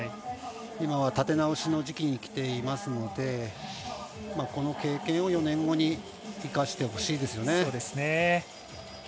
今は立て直しの時期にきていますのでこの経験を４年後に生かしてほしいですよね。